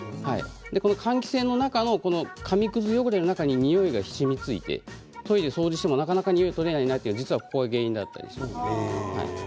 換気扇の中の紙くず汚れの中ににおいがしみついてトイレを掃除してもなかなかにおいが取れないなというのはここが原因だったりします。